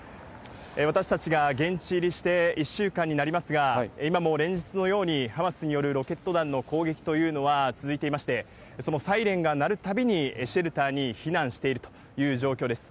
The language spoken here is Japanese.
私たちが現地入りして１週間になりますが、今も連日のようにハマスによるロケット弾の攻撃というのは続いていまして、そのサイレンが鳴るたびに、シェルターに避難しているという状況です。